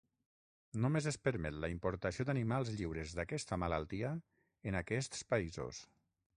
Només es permet la importació d’animals lliures d’aquesta malaltia en aquests països.